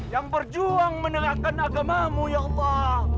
yang berjuang menelahkan agamamu ya allah